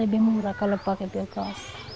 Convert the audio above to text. lebih murah kalau pakai biogas